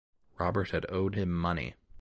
Robert had owed him money.